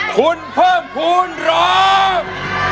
คุณเพิ่มภูมิร้อง